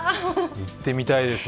行ってみたいですね。